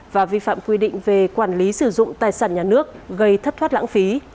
và vi phạm quy định về quản lý sử dụng tài sản nhà nước gây thất thoát lãng phí